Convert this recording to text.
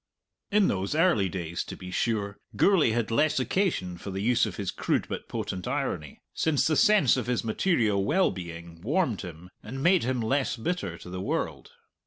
In those early days, to be sure, Gourlay had less occasion for the use of his crude but potent irony, since the sense of his material well being warmed him and made him less bitter to the world.